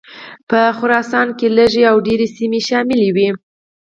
په خراسان کې لږې او ډېرې سیمې شاملي وې.